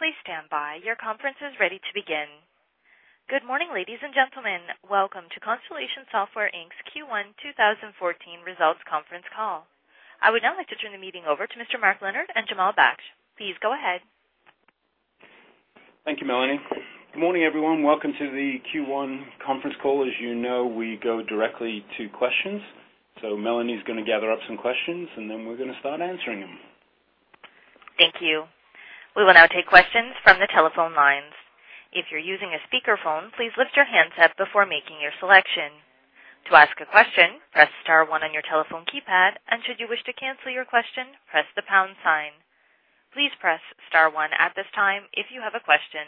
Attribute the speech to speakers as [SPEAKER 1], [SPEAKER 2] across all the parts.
[SPEAKER 1] Good morning, ladies and gentlemen. Welcome to Constellation Software Inc's Q1 2014 Results Conference Call. I would now like to turn the meeting over to Mr. Mark Leonard and Jamal Baksh. Please go ahead.
[SPEAKER 2] Thank you, Melanie. Good morning, everyone. Welcome to the Q1 conference call. As you know, we go directly to questions. Melanie's gonna gather up some questions, and then we're gonna start answering them.
[SPEAKER 1] Thank you. We will now take questions from the telephone lines. If you're using a speakerphone, please lift your handset before making your selection. To ask a question, press star one on your telephone keypad. Should you wish to cancel your question, press the pound sign. Please press star one at this time if you have a question.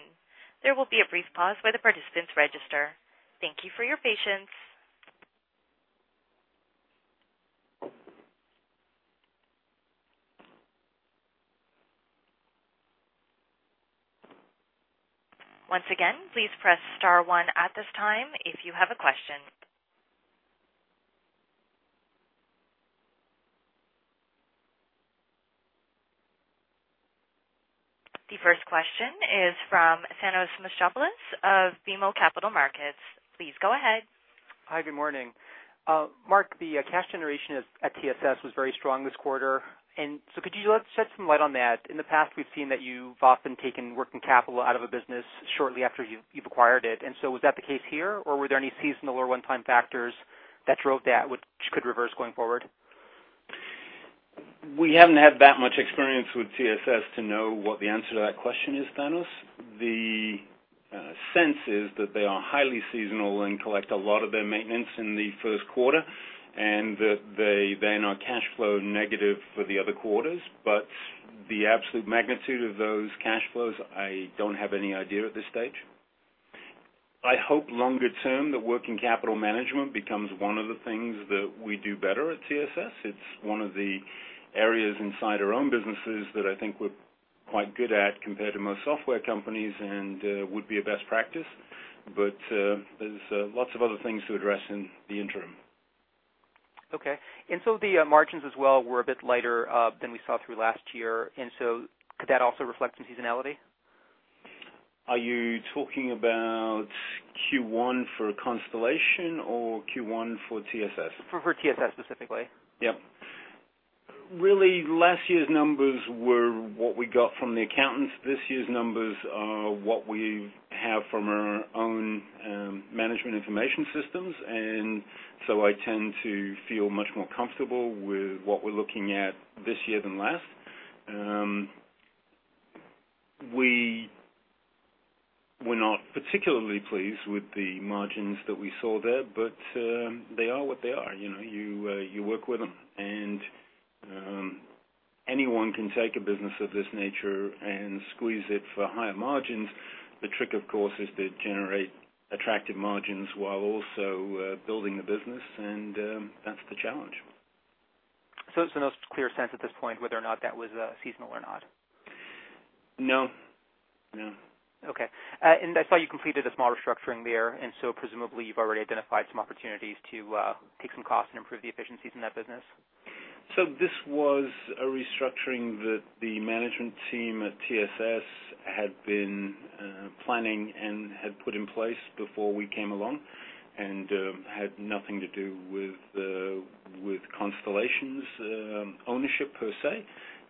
[SPEAKER 1] Once again, please press star one at this time if you have a question. The first question is from Thanos Moschopoulos of BMO Capital Markets. Please go ahead.
[SPEAKER 3] Hi, good morning. Mark, the cash generation at TSS was very strong this quarter. Could you shed some light on that? In the past, we've seen that you've often taken working capital out of a business shortly after you've acquired it. Was that the case here, or were there any seasonal or one-time factors that drove that which could reverse going forward?
[SPEAKER 2] We haven't had that much experience with TSS to know what the answer to that question is, Thanos. The sense is that they are highly seasonal and collect a lot of their maintenance in the first quarter, and that they then are cash flow negative for the other quarters. The absolute magnitude of those cash flows, I don't have any idea at this stage. I hope longer term that working capital management becomes one of the things that we do better at TSS. It's one of the areas inside our own businesses that I think we're quite good at compared to most software companies and would be a best practice. There's lots of other things to address in the interim.
[SPEAKER 3] Okay. The margins as well were a bit lighter, than we saw through last year. Could that also reflect in seasonality?
[SPEAKER 2] Are you talking about Q1 for Constellation or Q1 for TSS?
[SPEAKER 3] For TSS specifically.
[SPEAKER 2] Yep. Really, last year's numbers were what we got from the accountants. This year's numbers are what we have from our own, management information systems. I tend to feel much more comfortable with what we're looking at this year than last. We were not particularly pleased with the margins that we saw there, but they are what they are. You know, you work with them. Anyone can take a business of this nature and squeeze it for higher margins. The trick, of course, is to generate attractive margins while also building the business, and that's the challenge.
[SPEAKER 3] No clear sense at this point whether or not that was seasonal or not?
[SPEAKER 2] No. No.
[SPEAKER 3] Okay. I saw you completed a small restructuring there, and so presumably you've already identified some opportunities to take some cost and improve the efficiencies in that business.
[SPEAKER 2] This was a restructuring that the management team at TSS had been planning and had put in place before we came along and had nothing to do with Constellation's ownership per se.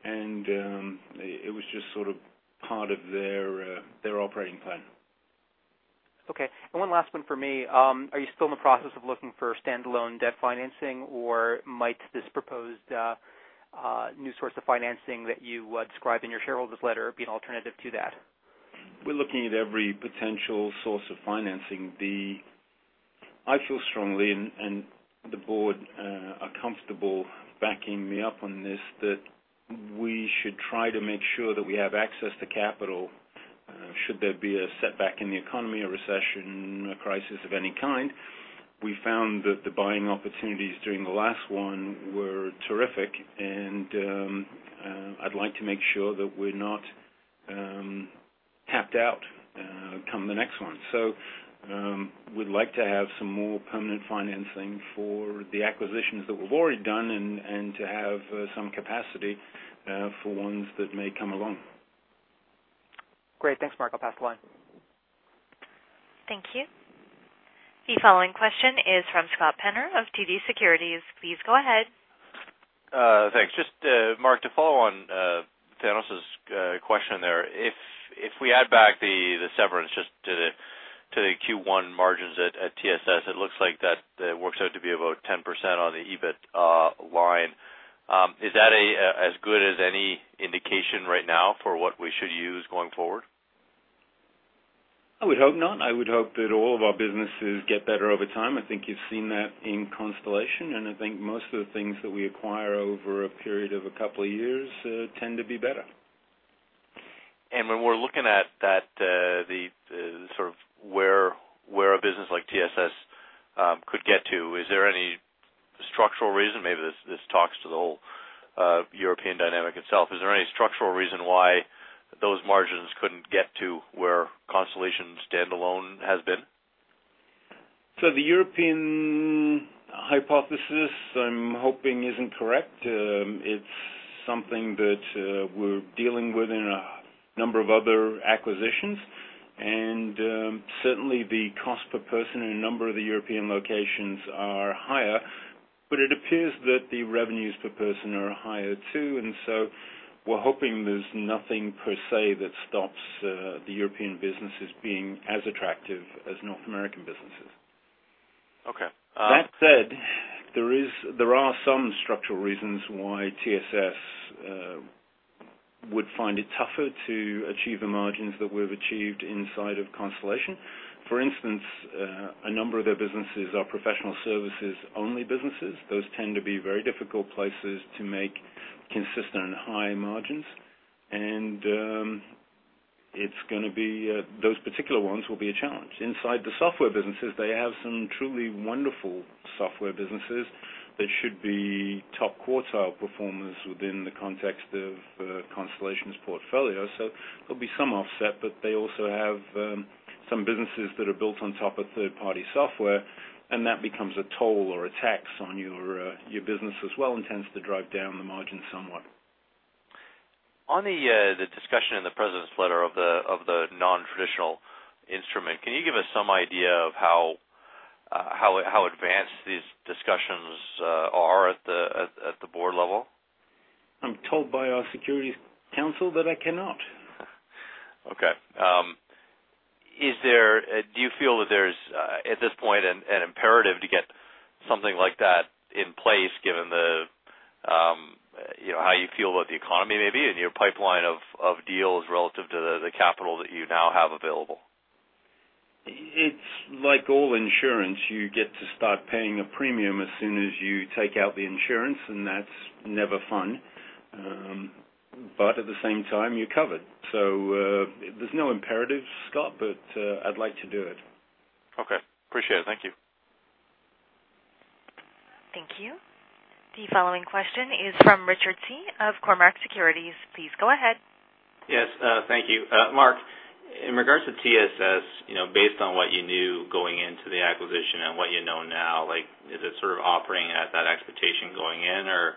[SPEAKER 2] It was just sort of part of their operating plan.
[SPEAKER 3] Okay. One last one for me. Are you still in the process of looking for standalone debt financing, or might this proposed new source of financing that you would describe in your shareholders letter be an alternative to that?
[SPEAKER 2] We're looking at every potential source of financing. I feel strongly, and the board are comfortable backing me up on this, that we should try to make sure that we have access to capital should there be a setback in the economy, a recession, a crisis of any kind. We found that the buying opportunities during the last one were terrific. I'd like to make sure that we're not tapped out come the next one. We'd like to have some more permanent financing for the acquisitions that we've already done and to have some capacity for ones that may come along.
[SPEAKER 3] Great. Thanks, Mark. I'll pass the line.
[SPEAKER 1] Thank you. The following question is from Scott Penner of TD Securities. Please go ahead.
[SPEAKER 4] Thanks. Just, Mark, to follow on, Thanos' question there. If we add back the severance just to the Q1 margins at TSS, it looks like that works out to be about 10% on the EBIT line. Is that as good as any indication right now for what we should use going forward?
[SPEAKER 2] I would hope not. I would hope that all of our businesses get better over time. I think you've seen that in Constellation, and I think most of the things that we acquire over a period of a couple of years tend to be better.
[SPEAKER 4] When we're looking at that, the sort of where a business like TSS could get to, is there any structural reason maybe this talks to the whole European dynamic itself? Is there any structural reason why those margins couldn't get to where Constellation standalone has been?
[SPEAKER 2] The European hypothesis, I'm hoping isn't correct. It's something that we're dealing with in a number of other acquisitions. Certainly the cost per person in a number of the European locations are higher, but it appears that the revenues per person are higher, too. We're hoping there's nothing per se that stops the European businesses being as attractive as North American businesses.
[SPEAKER 4] Okay.
[SPEAKER 2] That said, there are some structural reasons why TSS would find it tougher to achieve the margins that we've achieved inside of Constellation. For instance, a number of their businesses are professional services only businesses. Those tend to be very difficult places to make consistent high margins. It's gonna be, those particular ones will be a challenge. Inside the software businesses, they have some truly wonderful software businesses that should be top quartile performers within the context of Constellation's portfolio. There'll be some offset, but they also have some businesses that are built on top of third-party software, and that becomes a toll or a tax on your business as well, and tends to drive down the margin somewhat.
[SPEAKER 4] On the discussion in the president's letter of the non-traditional instrument, can you give us some idea of how advanced these discussions are at the board level?
[SPEAKER 2] I'm told by our securities counsel that I cannot.
[SPEAKER 4] Okay. Do you feel that there's at this point, an imperative to get something like that in place given the, you know, how you feel about the economy maybe and your pipeline of deals relative to the capital that you now have available?
[SPEAKER 2] It's like all insurance. You get to start paying a premium as soon as you take out the insurance, and that's never fun. At the same time, you're covered. There's no imperative, Scott, but I'd like to do it.
[SPEAKER 4] Okay. Appreciate it. Thank you.
[SPEAKER 1] Thank you. The following question is from Richard Tse of Cormark Securities. Please go ahead.
[SPEAKER 5] Yes. Thank you, Mark, in regards to TSS, you know, based on what you knew going into the acquisition and what you know now, like, is it sort of offering at that expectation going in, or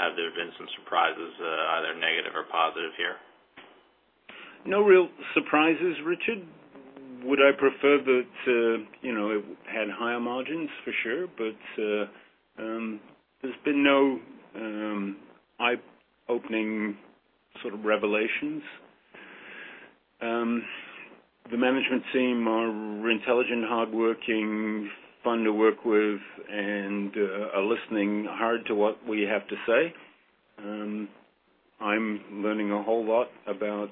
[SPEAKER 5] have there been some surprises, either negative or positive here?
[SPEAKER 2] No real surprises, Richard. Would I prefer that, you know, it had higher margins? For sure. There's been no eye-opening sort of revelations. The management team are intelligent, hardworking, fun to work with, and are listening hard to what we have to say. I'm learning a whole lot about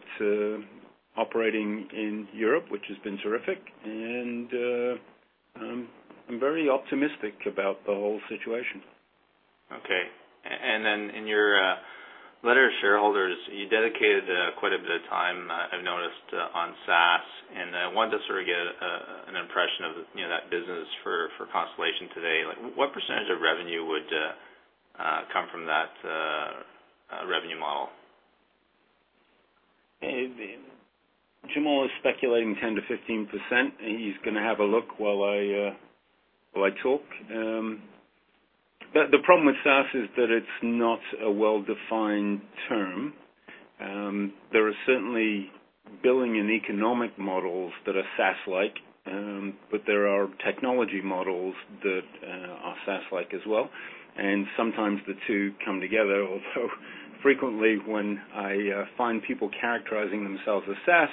[SPEAKER 2] operating in Europe, which has been terrific. I'm very optimistic about the whole situation.
[SPEAKER 5] Okay. Then in your letter to shareholders, you dedicated quite a bit of time, I've noticed, on SaaS. I wanted to sort of get an impression of, you know, that business for Constellation today. Like, what percentage of revenue would come from that revenue model?
[SPEAKER 2] Jamal is speculating 10%-15%. He's gonna have a look while I talk. The problem with SaaS is that it's not a well-defined term. There are certainly billing and economic models that are SaaS-like, there are technology models that are SaaS-like as well. Sometimes the two come together. Although frequently, when I find people characterizing themselves as SaaS,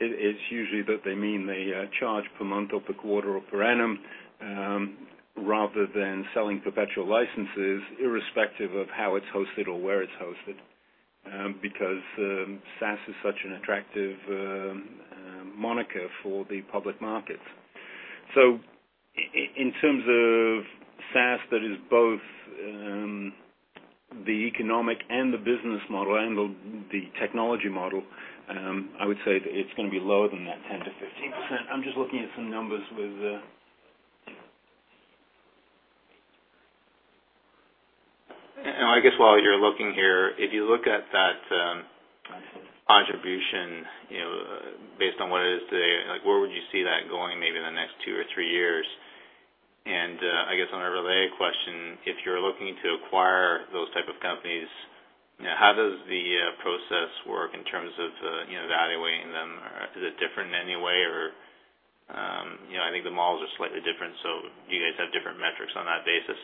[SPEAKER 2] it's usually that they mean they charge per month or per quarter or per annum, rather than selling perpetual licenses, irrespective of how it's hosted or where it's hosted, because SaaS is such an attractive moniker for the public markets. In terms of SaaS that is both the economic and the business model and the technology model, I would say it's gonna be lower than that 10%-15%. I'm just looking at some numbers with-
[SPEAKER 5] I guess while you're looking here, if you look at that contribution, you know, based on what it is today, like, where would you see that going maybe in the next two or three years? I guess on a related question, if you're looking to acquire those type of companies, you know, how does the process work in terms of, you know, evaluating them? Is it different in any way? You know, I think the models are slightly different, so you guys have different metrics on that basis.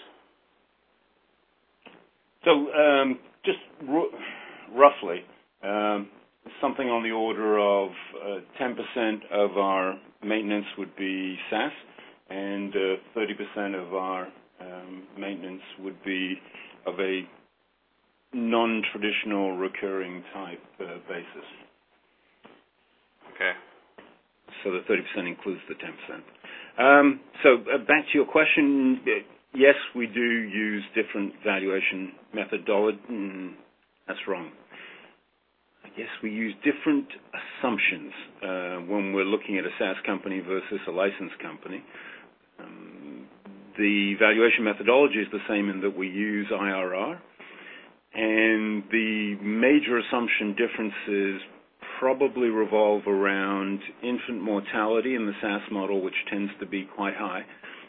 [SPEAKER 2] Roughly, something on the order of 10% of our maintenance would be SaaS, and 30% of our maintenance would be of a non-traditional recurring type basis.
[SPEAKER 5] Okay.
[SPEAKER 2] The 30% includes the 10%. Back to your question, yes, we do use different valuation methodology. That's wrong. I guess we use different assumptions when we're looking at a SaaS company versus a licensed company. The valuation methodology is the same in that we use IRR. The major assumption differences probably revolve around infant mortality in the SaaS model, which tends to be quite high.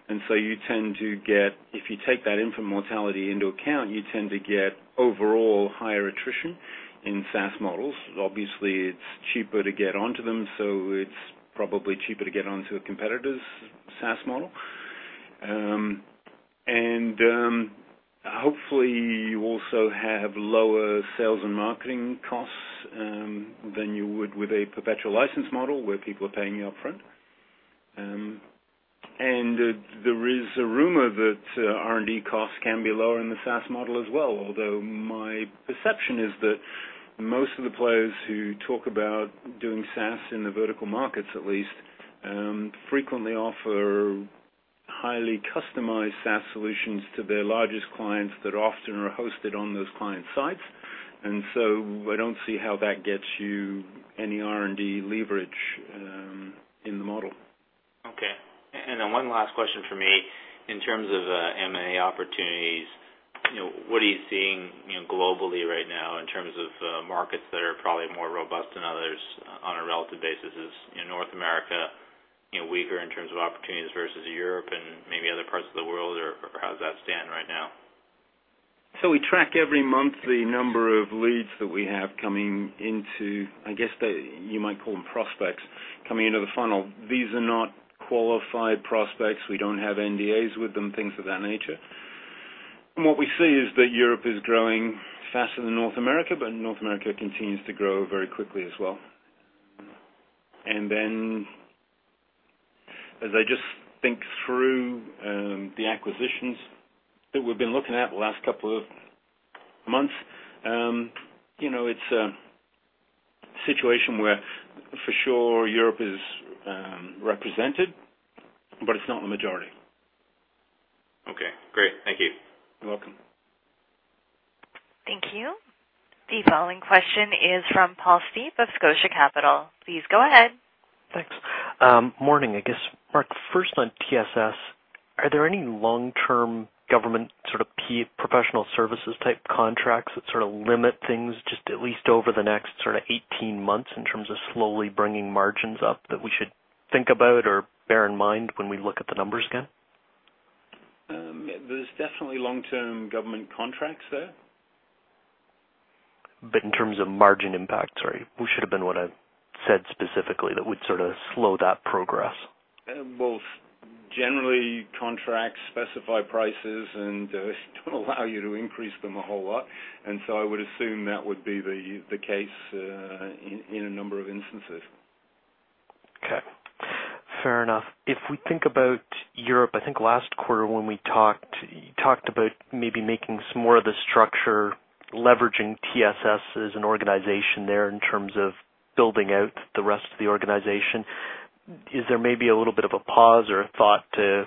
[SPEAKER 2] If you take that infant mortality into account, you tend to get overall higher attrition in SaaS models. Obviously, it's cheaper to get onto them, so it's probably cheaper to get onto a competitor's SaaS model. Hopefully, you also have lower sales and marketing costs than you would with a perpetual license model where people are paying you up front. There is a rumor that R&D costs can be lower in the SaaS model as well. Although my perception is that most of the players who talk about doing SaaS in the vertical markets, at least, frequently offer highly customized SaaS solutions to their largest clients that often are hosted on those client sites. So I don't see how that gets you any R&D leverage in the model.
[SPEAKER 5] Okay. One last question from me. In terms of M&A opportunities, you know, what are you seeing, you know, globally right now in terms of markets that are probably more robust than others on a relative basis? Is, you know, North America, you know, weaker in terms of opportunities versus Europe and maybe other parts of the world, or how does that stand right now?
[SPEAKER 2] We track every month the number of leads that we have coming into, I guess, that you might call them prospects coming into the funnel. These are not qualified prospects. We don't have NDAs with them, things of that nature. What we see is that Europe is growing faster than North America, but North America continues to grow very quickly as well. As I just think through the acquisitions that we've been looking at the last couple of months, you know, it's a situation where for sure Europe is represented, but it's not the majority.
[SPEAKER 5] Okay, great. Thank you.
[SPEAKER 2] You're welcome.
[SPEAKER 1] Thank you. The following question is from Paul Steep of Scotia Capital. Please go ahead.
[SPEAKER 6] Thanks. Morning, I guess. Mark, first on TSS, are there any long-term government sort of professional services type contracts that sort of limit things just at least over the next sort of 18 months in terms of slowly bringing margins up that we should think about or bear in mind when we look at the numbers again?
[SPEAKER 2] There's definitely long-term government contracts there.
[SPEAKER 6] In terms of margin impact, sorry, what should have been what I said specifically that would sort of slow that progress?
[SPEAKER 2] Well, generally, contracts specify prices and don't allow you to increase them a whole lot. I would assume that would be the case, in a number of instances.
[SPEAKER 6] Okay. Fair enough. If we think about Europe, I think last quarter when we talked, you talked about maybe making some more of the structure, leveraging TSS as an organization there in terms of building out the rest of the organization. Is there maybe a little bit of a pause or a thought to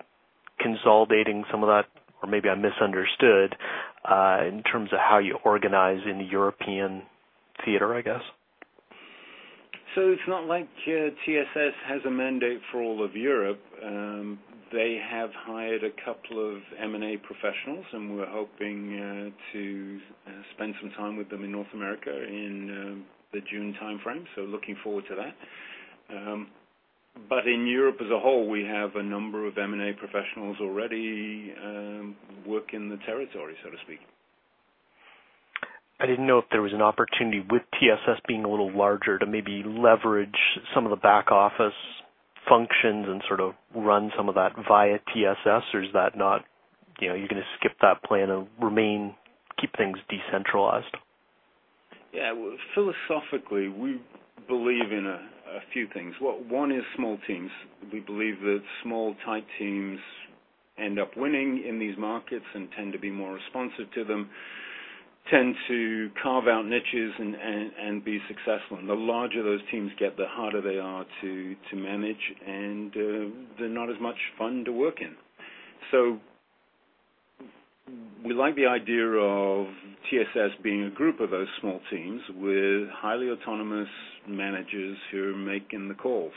[SPEAKER 6] consolidating some of that? Maybe I misunderstood in terms of how you organize in the European theater, I guess?
[SPEAKER 2] It's not like TSS has a mandate for all of Europe. They have hired a couple of M&A professionals, and we're hoping to spend some time with them in North America in the June timeframe. Looking forward to that. In Europe as a whole, we have a number of M&A professionals already work in the territory, so to speak.
[SPEAKER 6] I didn't know if there was an opportunity with TSS being a little larger to maybe leverage some of the back-office functions and sort of run some of that via TSS. Is that not, you know, you're gonna skip that plan and remain, keep things decentralized?
[SPEAKER 2] Yeah. Philosophically, we believe in a few things. One is small teams. We believe that small, tight teams end up winning in these markets and tend to be more responsive to them, tend to carve out niches and be successful. The larger those teams get, the harder they are to manage. They're not as much fun to work in. We like the idea of TSS being a group of those small teams with highly autonomous managers who are making the calls.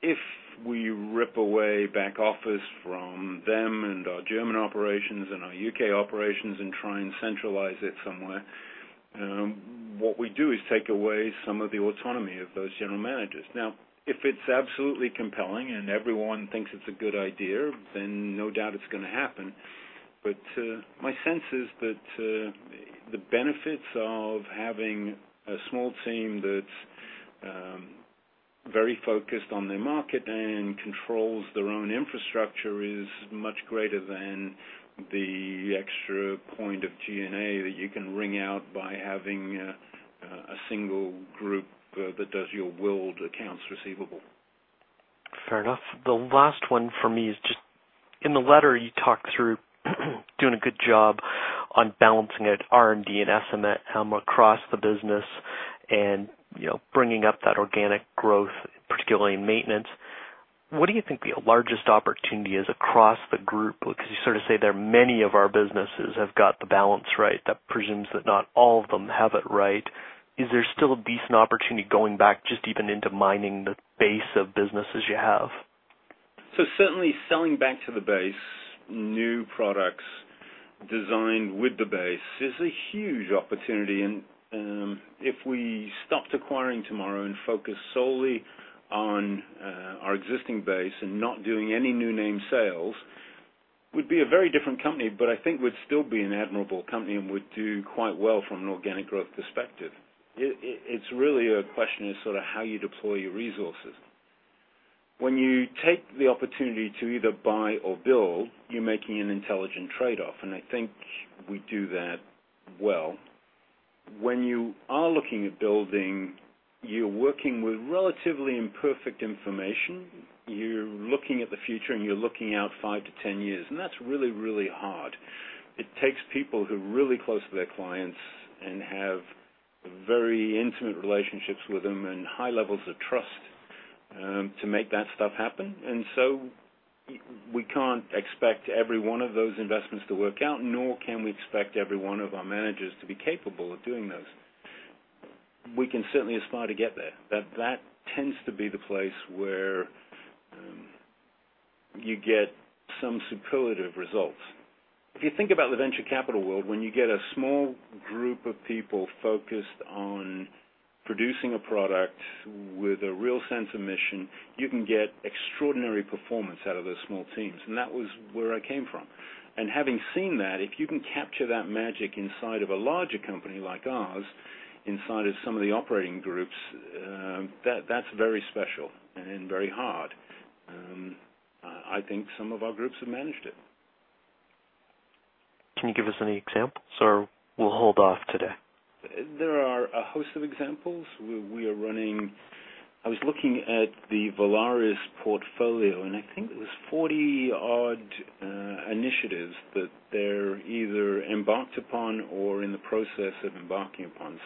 [SPEAKER 2] If we rip away back office from them and our German operations and our U.K. operations and try and centralize it somewhere, what we do is take away some of the autonomy of those general managers. Now, if it's absolutely compelling and everyone thinks it's a good idea, then no doubt it's gonna happen. My sense is that the benefits of having a small team that's very focused on their market and controls their own infrastructure is much greater than the extra point of G&A that you can wring out by having a single group that does your world accounts receivable.
[SPEAKER 6] Fair enough. The last one for me is just in the letter you talked through doing a good job on balancing out R&D and S&M across the business and, you know, bringing up that organic growth, particularly in maintenance. What do you think the largest opportunity is across the group? You sort of say there are many of our businesses have got the balance right. That presumes that not all of them have it right. Is there still a decent opportunity going back just even into mining the base of businesses you have?
[SPEAKER 2] Certainly selling back to the base new products designed with the base is a huge opportunity. If we stopped acquiring tomorrow and focus solely on our existing base and not doing any new name sales, we'd be a very different company, but I think we'd still be an admirable company and would do quite well from an organic growth perspective. It's really a question of sort of how you deploy your resources. When you take the opportunity to either buy or build, you're making an intelligent trade-off, and I think we do that well. When you are looking at building, you're working with relatively imperfect information. You're looking at the future, and you're looking out five to 10 years, and that's really, really hard. It takes people who are really close to their clients and have very intimate relationships with them and high levels of trust to make that stuff happen. We can't expect every one of those investments to work out, nor can we expect every one of our managers to be capable of doing those. We can certainly aspire to get there, but that tends to be the place where you get some superlative results. If you think about the venture capital world, when you get a small group of people focused on producing a product with a real sense of mission, you can get extraordinary performance out of those small teams, and that was where I came from. Having seen that, if you can capture that magic inside of a larger company like ours, inside of some of the operating groups, that's very special and very hard. I think some of our groups have managed it.
[SPEAKER 6] Can you give us any examples, or we'll hold off today?
[SPEAKER 2] There are a host of examples. I was looking at the Volaris portfolio, and I think it was 40-odd initiatives that they're either embarked upon or in the process of embarking upon.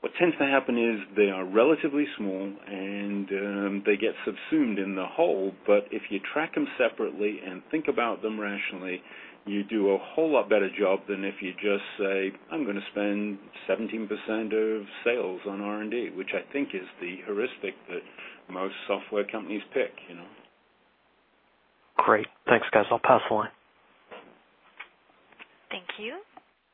[SPEAKER 2] What tends to happen is they are relatively small, and they get subsumed in the whole. If you track them separately and think about them rationally, you do a whole lot better job than if you just say, "I'm gonna spend 17% of sales on R&D," which I think is the heuristic that most software companies pick, you know.
[SPEAKER 6] Great. Thanks, guys. I'll pass the line.
[SPEAKER 1] Thank you.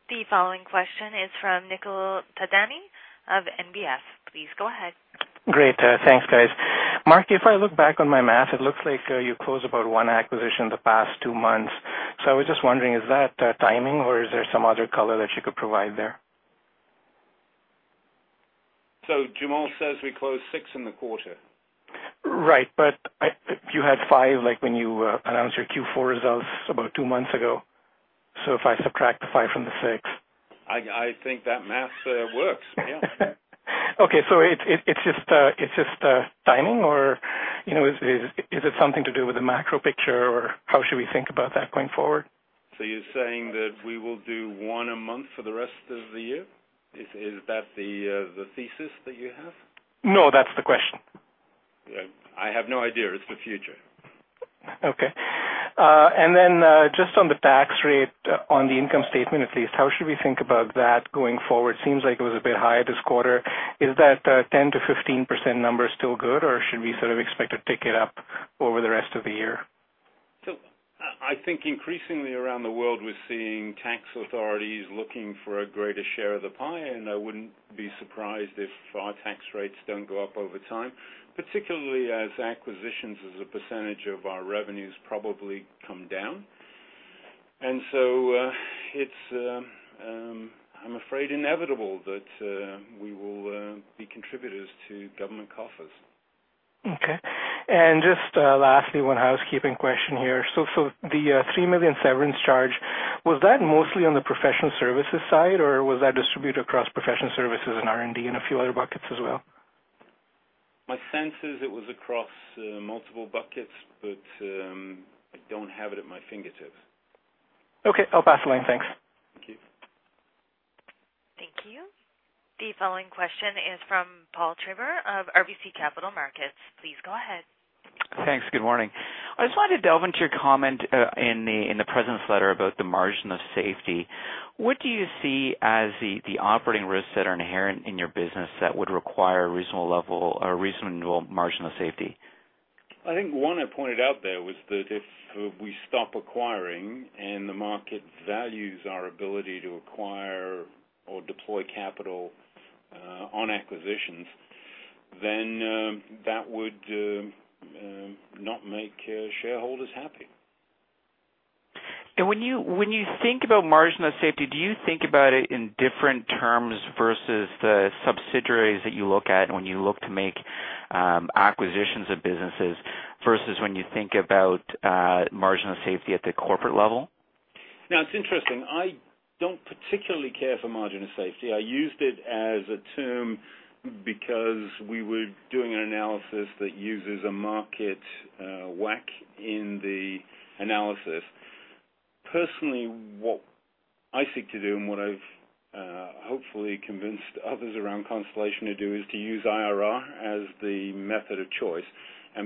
[SPEAKER 1] The following question is from Nikhil Thadani of NBF. Please go ahead.
[SPEAKER 7] Great. Thanks, guys. Mark, if I look back on my math, it looks like you closed about one acquisition the past two months. I was just wondering, is that timing, or is there some other color that you could provide there?
[SPEAKER 2] Jamal says we closed six in the quarter.
[SPEAKER 7] Right. You had five, like, when you announced your Q4 results about two months ago. If I subtract the five from the six.
[SPEAKER 2] I think that math works. Yeah.
[SPEAKER 7] Okay. It's just timing or, you know, is it something to do with the macro picture or how should we think about that going forward?
[SPEAKER 2] You're saying that we will do one a month for the rest of the year? Is that the thesis that you have?
[SPEAKER 7] No, that's the question.
[SPEAKER 2] I have no idea. It's the future.
[SPEAKER 7] Okay. Just on the tax rate, on the income statement at least, how should we think about that going forward? Seems like it was a bit higher this quarter. Is that, 10%-15% number still good, or should we sort of expect to tick it up over the rest of the year?
[SPEAKER 2] I think increasingly around the world we're seeing tax authorities looking for a greater share of the pie, and I wouldn't be surprised if our tax rates don't go up over time, particularly as acquisitions as a percentage of our revenues probably come down. I'm afraid, inevitable that we will be contributors to government coffers.
[SPEAKER 7] Okay. Lastly, one housekeeping question here. The 3 million severance charge, was that mostly on the professional services side, or was that distributed across professional services and R&D and a few other buckets as well?
[SPEAKER 2] My sense is it was across multiple buckets, but I don't have it at my fingertips.
[SPEAKER 7] Okay. I'll pass the line. Thanks.
[SPEAKER 2] Thank you.
[SPEAKER 1] Thank you. The following question is from Paul Treiber of RBC Capital Markets. Please go ahead.
[SPEAKER 8] Thanks. Good morning. I just wanted to delve into your comment, in the, in the President's letter about the margin of safety. What do you see as the operating risks that are inherent in your business that would require a reasonable level or reasonable margin of safety?
[SPEAKER 2] I think one I pointed out there was that if we stop acquiring and the market values our ability to acquire or deploy capital, on acquisitions, then that would not make shareholders happy.
[SPEAKER 8] When you think about margin of safety, do you think about it in different terms versus the subsidiaries that you look at when you look to make acquisitions of businesses versus when you think about margin of safety at the corporate level?
[SPEAKER 2] It's interesting. I don't particularly care for margin of safety. I used it as a term because we were doing an analysis that uses a market WACC in the analysis. Personally, what I seek to do and what I've hopefully convinced others around Constellation to do is to use IRR as the method of choice.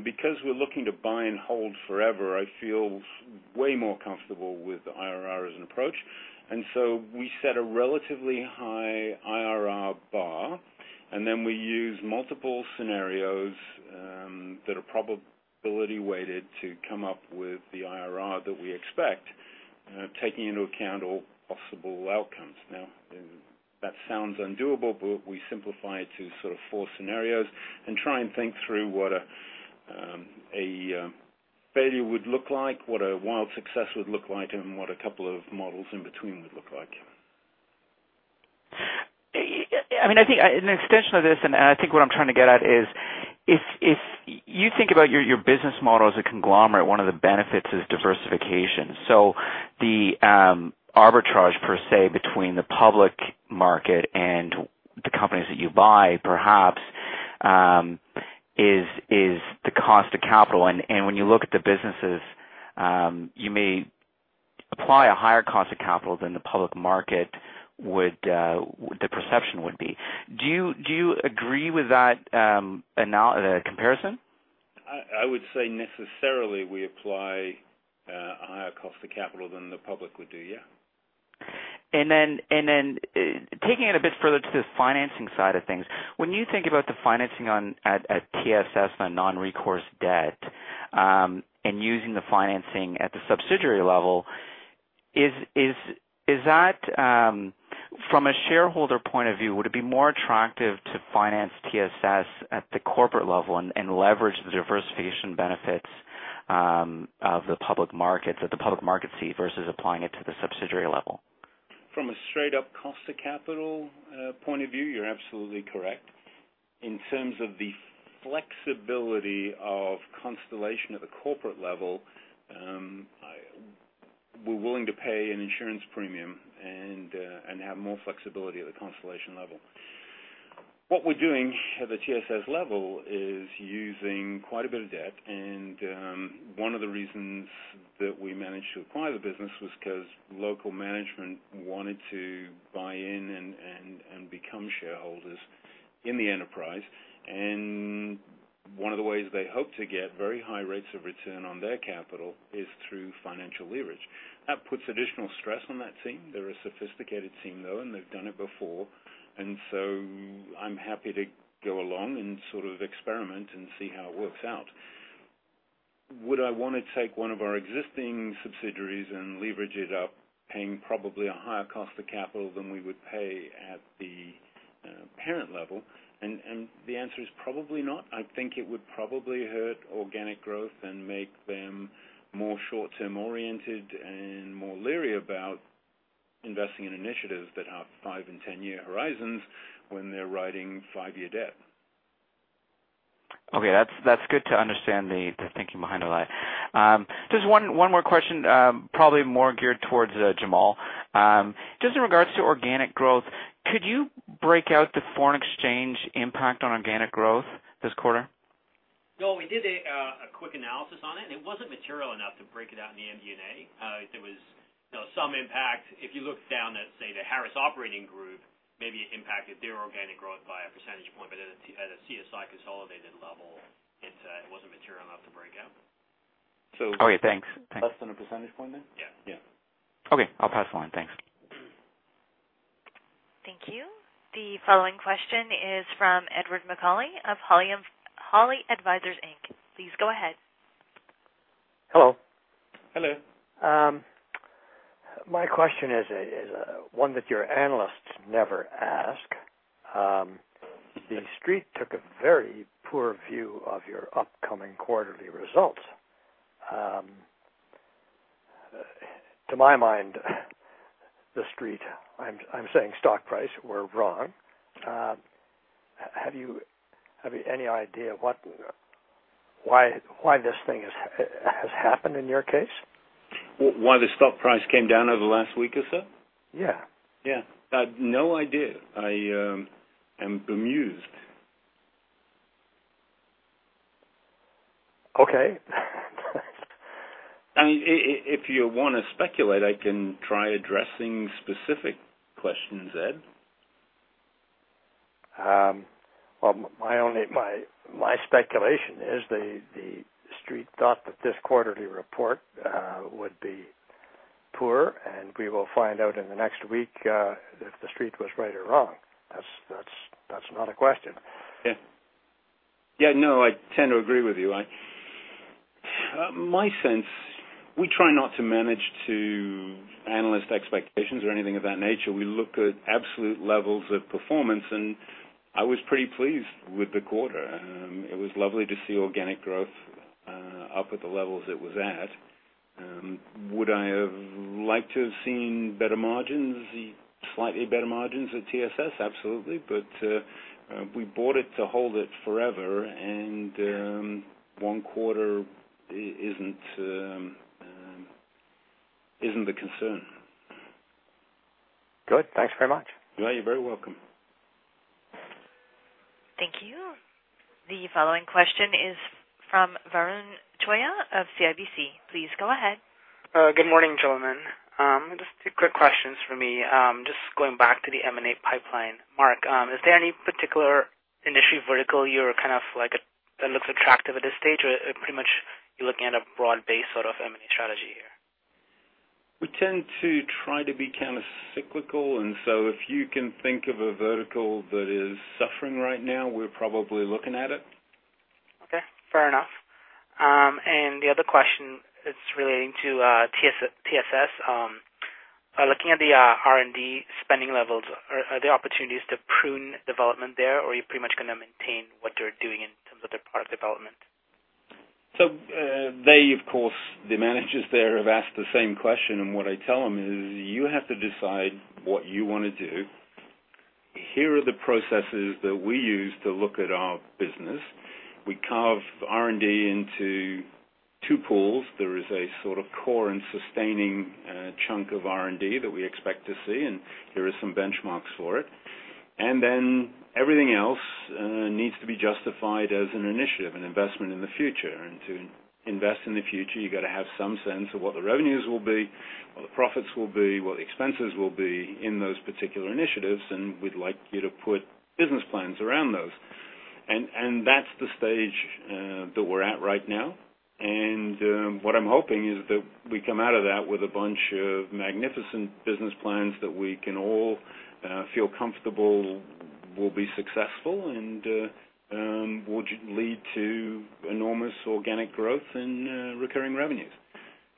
[SPEAKER 2] Because we're looking to buy and hold forever, I feel way more comfortable with the IRR as an approach. We set a relatively high IRR bar, then we use multiple scenarios that are probability-weighted to come up with the IRR that we expect, taking into account all possible outcomes. That sounds undoable, but we simplify it to sort of four scenarios and try and think through what a failure would look like, what a wild success would look like, and what a couple of models in between would look like.
[SPEAKER 8] I mean, I think an extension of this, and I think what I'm trying to get at is if you think about your business model as a conglomerate, one of the benefits is diversification. So the arbitrage per se between the public market and the companies that you buy perhaps, is the cost of capital. When you look at the businesses, you may apply a higher cost of capital than the public market would, the perception would be. Do you, do you agree with that comparison?
[SPEAKER 2] I would say necessarily we apply a higher cost of capital than the public would do, yeah.
[SPEAKER 8] Taking it a bit further to the financing side of things, when you think about the financing at TSS on non-recourse debt, and using the financing at the subsidiary level, is that from a shareholder point of view, would it be more attractive to finance TSS at the corporate level and leverage the diversification benefits of the public markets see versus applying it to the subsidiary level?
[SPEAKER 2] From a straight-up cost of capital point of view, you are absolutely correct. In terms of the flexibility of Constellation at the corporate level, we are willing to pay an insurance premium and have more flexibility at the Constellation level. What we are doing at the TSS level is using quite a bit of debt. One of the reasons that we managed to acquire the business was 'cause local management wanted to buy in and become shareholders in the enterprise. One of the ways they hope to get very high rates of return on their capital is through financial leverage. That puts additional stress on that team. They are a sophisticated team, though, and they have done it before. I am happy to go along and sort of experiment and see how it works out. Would I wanna take one of our existing subsidiaries and leverage it up, paying probably a higher cost of capital than we would pay at the parent level? The answer is probably not. I think it would probably hurt organic growth and make them more short-term oriented and more leery about investing in initiatives that have five and 10-year horizons when they're riding five-year debt.
[SPEAKER 8] Okay. That's, that's good to understand the thinking behind all that. Just one more question, probably more geared towards Jamal. Just in regards to organic growth, could you break out the foreign exchange impact on organic growth this quarter?
[SPEAKER 9] We did a quick analysis on it. It wasn't material enough to break it out in the MD&A. There was, you know, some impact. If you look down at, say, the Harris operating group, maybe it impacted their organic growth by a percentage point. At a CSI consolidated level, it wasn't material enough to break out.
[SPEAKER 8] Okay, thanks.
[SPEAKER 2] Less than a percentage point then?
[SPEAKER 9] Yeah.
[SPEAKER 2] Yeah.
[SPEAKER 8] Okay, I'll pass along. Thanks.
[SPEAKER 1] Thank you. The following question is from [Edward McCauley] of Hawley Advisors Inc. Please go ahead.
[SPEAKER 10] Hello.
[SPEAKER 2] Hello.
[SPEAKER 10] My question is one that your analysts never ask. The Street took a very poor view of your upcoming quarterly results. To my mind, The Street, I'm saying stock price, were wrong. Have you any idea what, why this thing has happened in your case?
[SPEAKER 2] Why the stock price came down over the last week or so?
[SPEAKER 10] Yeah.
[SPEAKER 2] No idea. I am bemused.
[SPEAKER 10] Okay.
[SPEAKER 2] I mean, if you wanna speculate, I can try addressing specific questions, [Ed].
[SPEAKER 10] Well, my only speculation is The Street thought that this quarterly report would be poor, and we will find out in the next week if The Street was right or wrong. That's not a question.
[SPEAKER 2] Yeah. Yeah, no, I tend to agree with you. My sense, we try not to manage to analyst expectations or anything of that nature. We look at absolute levels of performance, and I was pretty pleased with the quarter. It was lovely to see organic growth up at the levels it was at. Would I have liked to have seen better margins, slightly better margins at TSS? Absolutely. We bought it to hold it forever, and, one quarter isn't the concern.
[SPEAKER 10] Good. Thanks very much.
[SPEAKER 2] You are very welcome.
[SPEAKER 1] Thank you. The following question is from Varun Choyah of CIBC. Please go ahead.
[SPEAKER 11] Good morning, gentlemen. Just two quick questions from me. Just going back to the M&A pipeline. Mark, is there any particular industry vertical that looks attractive at this stage, or pretty much you're looking at a broad-based sort of M&A strategy here?
[SPEAKER 2] We tend to try to be countercyclical. If you can think of a vertical that is suffering right now, we're probably looking at it.
[SPEAKER 11] Okay, fair enough. The other question is relating to TSS. Looking at the R&D spending levels, are there opportunities to prune development there, or are you pretty much gonna maintain what you're doing in terms of their product development?
[SPEAKER 2] They of course, the managers there have asked the same question, and what I tell them is you have to decide what you wanna do. Here are the processes that we use to look at our business. We carve R&D into two pools. There is a sort of core and sustaining chunk of R&D that we expect to see, and there are some benchmarks for it. Everything else needs to be justified as an initiative, an investment in the future. To invest in the future, you gotta have some sense of what the revenues will be, what the profits will be, what the expenses will be in those particular initiatives, and we'd like you to put business plans around those. That's the stage that we're at right now. What I'm hoping is that we come out of that with a bunch of magnificent business plans that we can all feel comfortable will be successful and would lead to enormous organic growth and recurring revenues.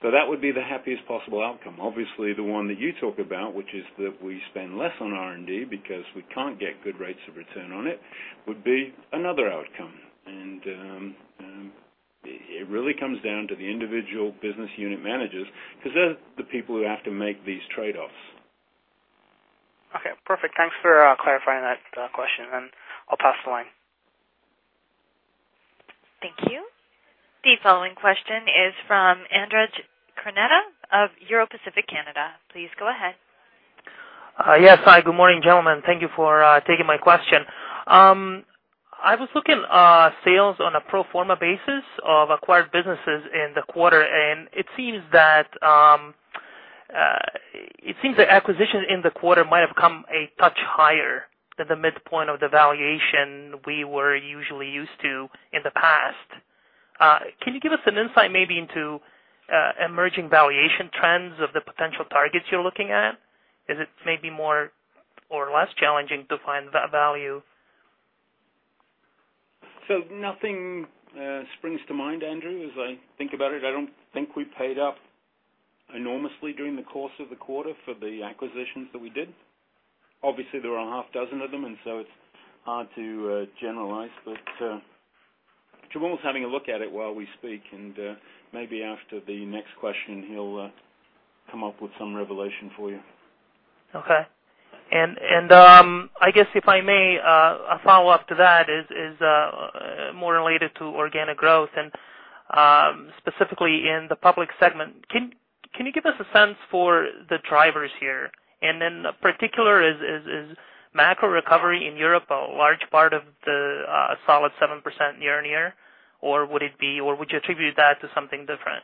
[SPEAKER 2] That would be the happiest possible outcome. Obviously, the one that you talk about, which is that we spend less on R&D because we can't get good rates of return on it, would be another outcome. It really comes down to the individual business unit managers 'cause they're the people who have to make these trade-offs.
[SPEAKER 11] Okay, perfect. Thanks for clarifying that question. I'll pass the line.
[SPEAKER 1] Thank you. The following question is from Andrej Krneta of Euro Pacific Canada. Please go ahead.
[SPEAKER 12] Yes. Hi, good morning, gentlemen. Thank you for taking my question. I was looking, sales on a pro forma basis of acquired businesses in the quarter, and it seems that, it seems the acquisition in the quarter might have come a touch higher than the midpoint of the valuation we were usually used to in the past. Can you give us an insight maybe into, emerging valuation trends of the potential targets you're looking at? Is it maybe more or less challenging to find that value?
[SPEAKER 2] Nothing springs to mind, [Andrew], as I think about it. I don't think we paid up enormously during the course of the quarter for the acquisitions that we did. Obviously, there were a half dozen of them, it's hard to generalize. Jamal's having a look at it while we speak, maybe after the next question, he'll come up with some revelation for you.
[SPEAKER 12] Okay. I guess if I may, a follow-up to that is more related to organic growth and specifically in the public segment. Can you give us a sense for the drivers here? Then particular is macro recovery in Europe a large part of the solid 7% year-over-year? Would you attribute that to something different?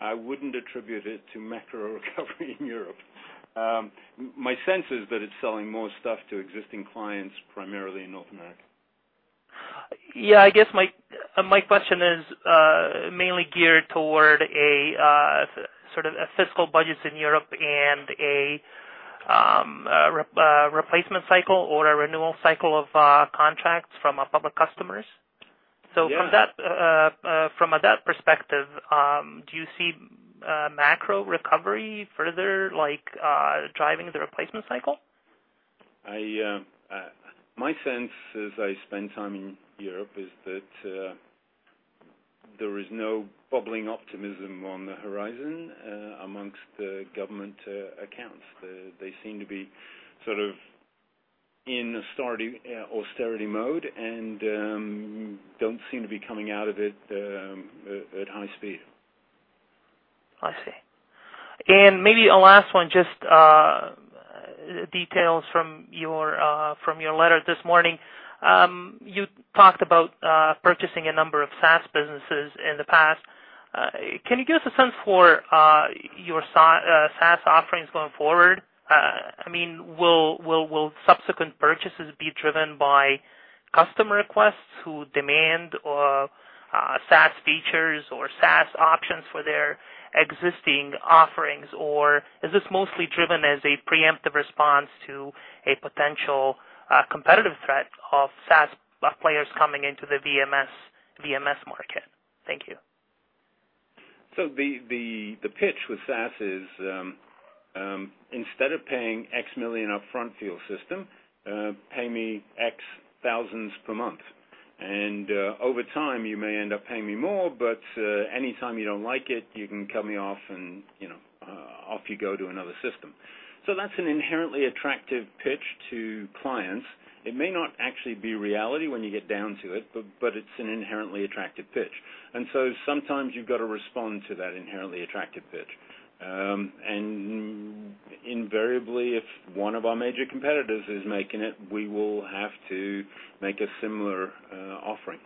[SPEAKER 2] I wouldn't attribute it to macro recovery in Europe. My sense is that it's selling more stuff to existing clients, primarily in North America.
[SPEAKER 12] I guess my question is mainly geared toward a sort of fiscal budgets in Europe and a replacement cycle or a renewal cycle of contracts from our public customers.
[SPEAKER 2] Yeah.
[SPEAKER 12] From that perspective, do you see macro recovery further, like, driving the replacement cycle?
[SPEAKER 2] I, my sense as I spend time in Europe is that there is no bubbling optimism on the horizon, amongst the government accounts. They seem to be sort of in austerity mode and don't seem to be coming out of it, at high speed.
[SPEAKER 12] I see. Maybe a last one, just details from your from your letter this morning. You talked about purchasing a number of SaaS businesses in the past. Can you give us a sense for your SaaS offerings going forward? I mean, will subsequent purchases be driven by customer requests who demand SaaS features or SaaS options for their existing offerings? Is this mostly driven as a preemptive response to a potential competitive threat of SaaS players coming into the VMS market? Thank you.
[SPEAKER 2] The pitch with SaaS is, instead of paying CAD X million up front for your system, pay me CAD X thousands per month. Over time, you may end up paying me more, but anytime you don't like it, you can cut me off and, you know, off you go to another system. That's an inherently attractive pitch to clients. It may not actually be reality when you get down to it, but it's an inherently attractive pitch. Sometimes you've got to respond to that inherently attractive pitch. Invariably, if one of our major competitors is making it, we will have to make a similar offering.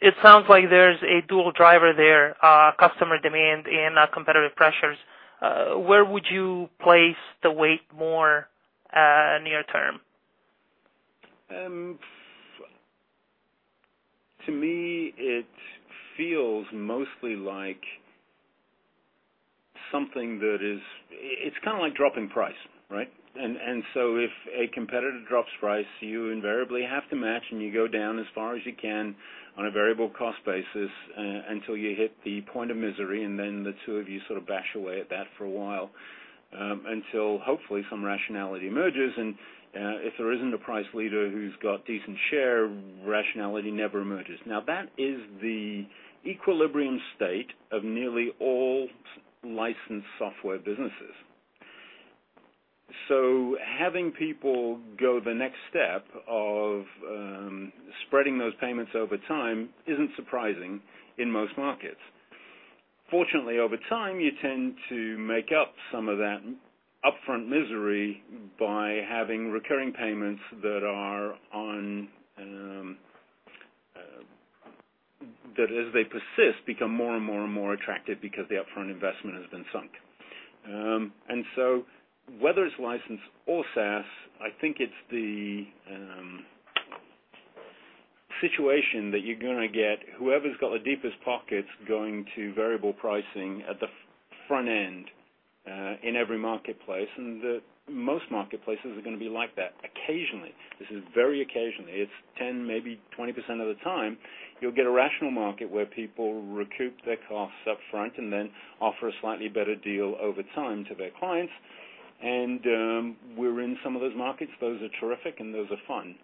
[SPEAKER 12] It sounds like there's a dual driver there, customer demand and competitive pressures. Where would you place the weight more, near term?
[SPEAKER 2] To me, it feels mostly like something that it's kinda like dropping price, right? If a competitor drops price, you invariably have to match, and you go down as far as you can on a variable cost basis, until you hit the point of misery. Then the two of you sort of bash away at that for a while, until hopefully some rationality emerges. If there isn't a price leader who's got decent share, rationality never emerges. That is the equilibrium state of nearly all licensed software businesses. Having people go the next step of spreading those payments over time isn't surprising in most markets. Fortunately, over time, you tend to make up some of that upfront misery by having recurring payments that are on, that as they persist, become more and more attractive because the upfront investment has been sunk. Whether it's licensed or SaaS, I think it's the situation that you're gonna get whoever's got the deepest pockets going to variable pricing at the front end in every marketplace, and the most marketplaces are gonna be like that. Occasionally, this is very occasionally, it's 10, maybe 20% of the time, you'll get a rational market where people recoup their costs up front and then offer a slightly better deal over time to their clients. We're in some of those markets. Those are terrific, and those are fun.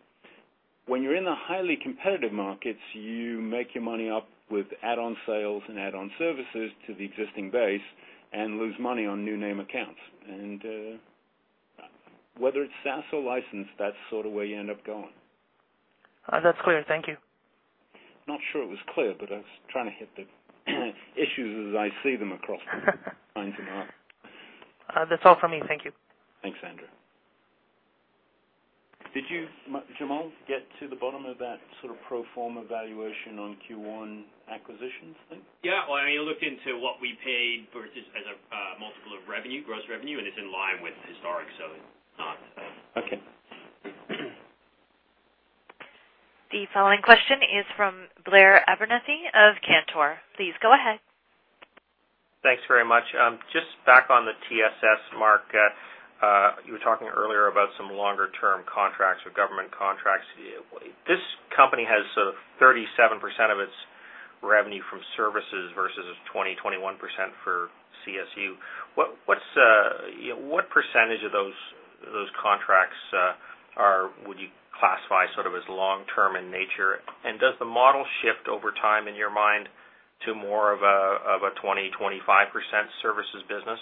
[SPEAKER 2] When you're in the highly competitive markets, you make your money up with add-on sales and add-on services to the existing base and lose money on new name accounts. Whether it's SaaS or licensed, that's sort of where you end up going.
[SPEAKER 12] That's clear. Thank you.
[SPEAKER 2] Not sure it was clear, but I was trying to hit the issues as I see them across lines in the market.
[SPEAKER 12] That's all from me. Thank you.
[SPEAKER 2] Thanks, Andrew. Did you, Jamal, get to the bottom of that sort of pro forma valuation on Q1 acquisitions thing?
[SPEAKER 9] Yeah. Well, I mean, I looked into what we paid versus as a multiple of revenue, gross revenue, and it's in line with historic, so it's not.
[SPEAKER 2] Okay.
[SPEAKER 1] The following question is from Blair Abernethy of Cantor. Please go ahead.
[SPEAKER 13] Thanks very much. Just back on the TSS, Mark. You were talking earlier about some longer-term contracts or government contracts. This company has sort of 37% of its revenue from services versus 21% for CSU. What's, you know, what percentage of those contracts would you classify sort of as long-term in nature? Does the model shift over time, in your mind, to more of a 25% services business?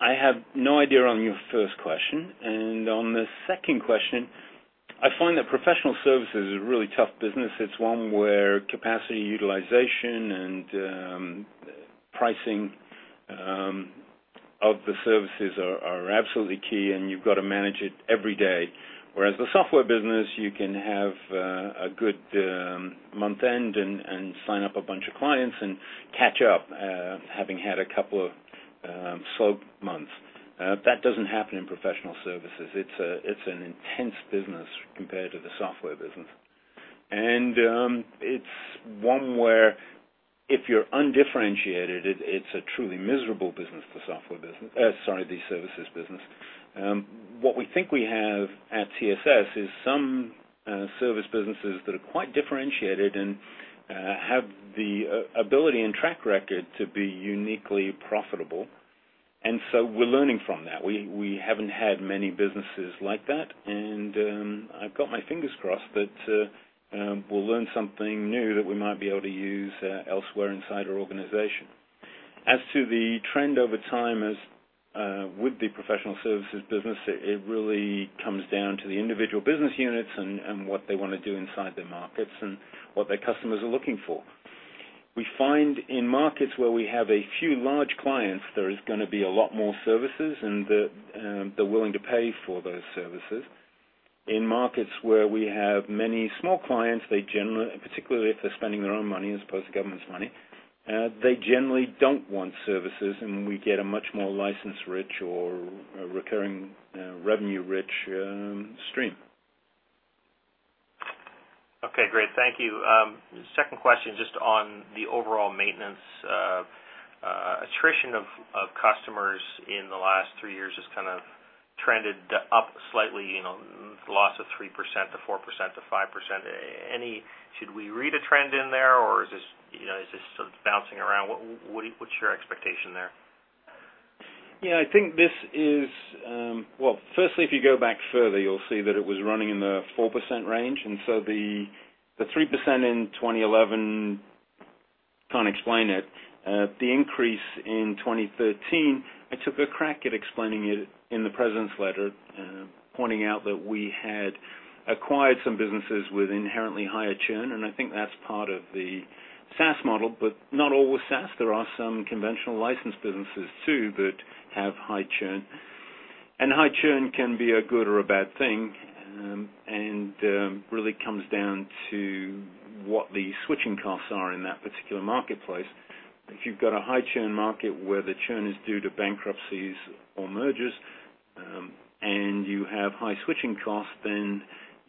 [SPEAKER 2] I have no idea on your first question. On the second question, I find that professional services is a really tough business. It's one where capacity utilization and pricing of the services are absolutely key, and you've got to manage it every day. Whereas the software business, you can have a good month end and sign up a bunch of clients and catch up having had a couple of slow months. That doesn't happen in professional services. It's an intense business compared to the software business. It's one where if you're undifferentiated, it's a truly miserable business, the software business. Sorry, the services business. What we think we have at TSS is some service businesses that are quite differentiated and have the ability and track record to be uniquely profitable. We're learning from that. We haven't had many businesses like that, and I've got my fingers crossed that we'll learn something new that we might be able to use elsewhere inside our organization. As to the trend over time as with the professional services business, it really comes down to the individual business units and what they wanna do inside their markets and what their customers are looking for. We find in markets where we have a few large clients, there is gonna be a lot more services, and they're willing to pay for those services. In markets where we have many small clients, particularly if they're spending their own money as opposed to government's money, they generally don't want services, and we get a much more license-rich or recurring, revenue-rich, stream.
[SPEAKER 13] Okay, great. Thank you. Second question, just on the overall maintenance. Attrition of customers in the last three years has kind of trended up slightly, you know, loss of 3% to 4% to 5%. Should we read a trend in there, or is this, you know, is this sort of bouncing around? What, what's your expectation there?
[SPEAKER 2] Yeah, I think this is Well, firstly, if you go back further, you'll see that it was running in the 4% range, and so the 3% in 2011, can't explain it. The increase in 2013, I took a crack at explaining it in the president's letter, pointing out that we had acquired some businesses with inherently higher churn, and I think that's part of the SaaS model, but not all with SaaS. There are some conventional licensed businesses too that have high churn. High churn can be a good or a bad thing, really comes down to what the switching costs are in that particular marketplace. If you've got a high churn market where the churn is due to bankruptcies or mergers, and you have high switching costs, then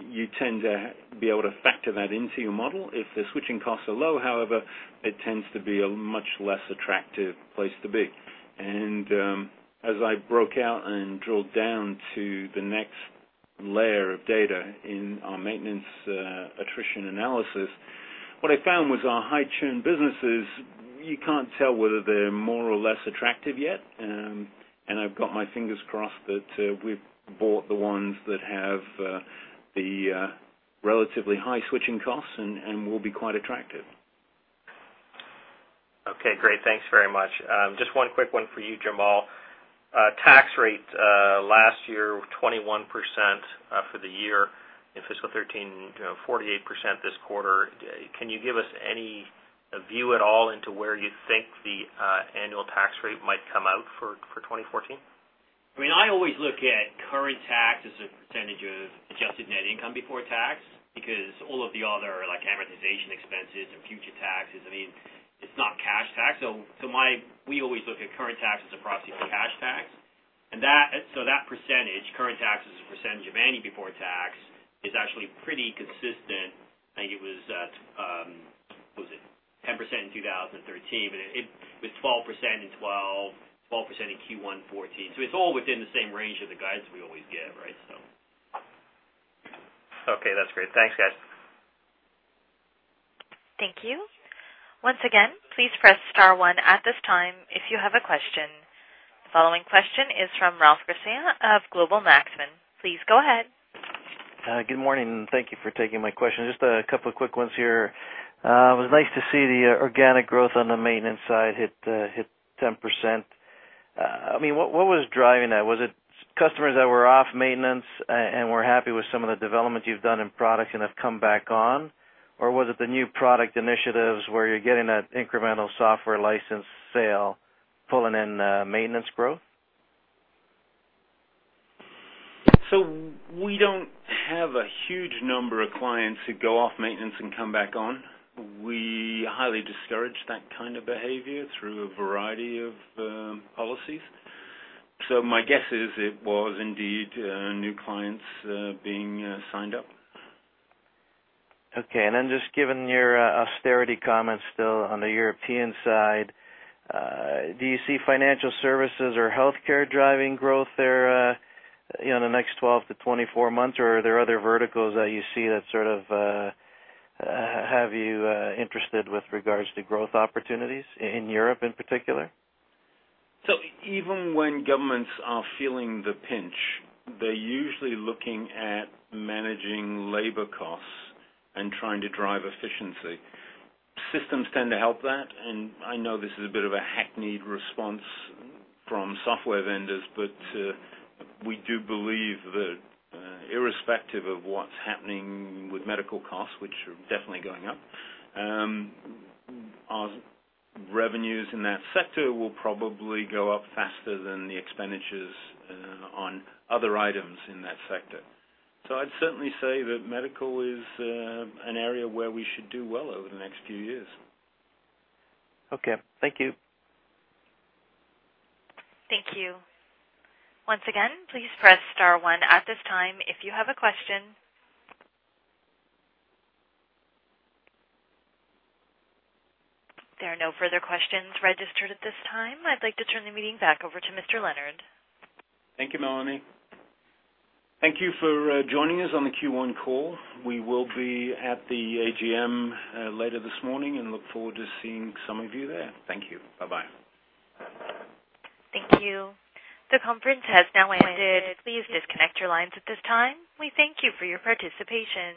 [SPEAKER 2] you tend to be able to factor that into your model. If the switching costs are low, however, it tends to be a much less attractive place to be. As I broke out and drilled down to the next layer of data in our maintenance attrition analysis, what I found was our high churn businesses, you can't tell whether they're more or less attractive yet. I've got my fingers crossed that we've bought the ones that have the relatively high switching costs and will be quite attractive.
[SPEAKER 13] Okay, great. Thanks very much. Just one quick one for you, Jamal. Tax rate, last year, 21% for the year in fiscal 2013. You know, 48% this quarter. Can you give us any view at all into where you think the annual tax rate might come out for 2014?
[SPEAKER 9] I mean, I always look at current tax as a percentage of adjusted net income before tax because all of the other, like, amortization expenses and future taxes, I mean, it's not cash tax. We always look at current tax as a proxy for cash tax. That, so that percentage, current tax as a percentage of ANI before tax, is actually pretty consistent. I think it was at, what was it? 10% in 2013. It was 12% in 2012, 12% in Q1 2014. It's all within the same range of the guides we always give, right?
[SPEAKER 13] Okay, that's great. Thanks, guys.
[SPEAKER 1] Thank you. Once again, please press star one at this time if you have a question. Following question is from Ralph Garcea of Global Maxfin Capital. Please go ahead.
[SPEAKER 14] Good morning, and thank you for taking my question. Just a couple of quick ones here. It was nice to see the organic growth on the maintenance side hit 10%. I mean, what was driving that? Was it customers that were off maintenance and were happy with some of the developments you've done in products and have come back on? Or was it the new product initiatives where you're getting that incremental software license sale pulling in maintenance growth?
[SPEAKER 2] We don't have a huge number of clients who go off maintenance and come back on. We highly discourage that kind of behavior through a variety of policies. My guess is it was indeed new clients being signed up.
[SPEAKER 14] Okay. Just given your austerity comments still on the European side, do you see financial services or healthcare driving growth there, you know, in the next 12 to 24 months? Or are there other verticals that you see that sort of, have you interested with regards to growth opportunities in Europe in particular?
[SPEAKER 2] Even when governments are feeling the pinch, they're usually looking at managing labor costs and trying to drive efficiency. Systems tend to help that, and I know this is a bit of a hackneyed response from software vendors, but we do believe that irrespective of what's happening with medical costs, which are definitely going up, our revenues in that sector will probably go up faster than the expenditures on other items in that sector. I'd certainly say that medical is an area where we should do well over the next few years.
[SPEAKER 14] Okay. Thank you.
[SPEAKER 1] Thank you. Once again, please press star one at this time if you have a question. There are no further questions registered at this time. I'd like to turn the meeting back over to Mr. Leonard.
[SPEAKER 2] Thank you, Melanie. Thank you for joining us on the Q1 call. We will be at the AGM later this morning, and look forward to seeing some of you there. Thank you. Bye-bye.
[SPEAKER 1] Thank you. The conference has now ended. Please disconnect your lines at this time. We thank you for your participation.